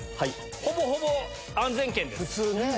ほぼほぼ安全圏です。